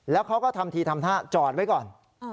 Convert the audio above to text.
แล้วเขาก็ทำทีทำท่าจอดไว้ก่อน